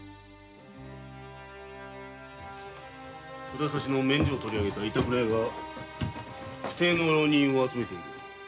札差の免状を取り上げた板倉屋が不逞の浪人を集めている。